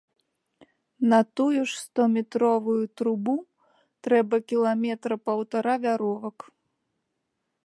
На тую ж стометровую трубу трэба кіламетра паўтара вяровак.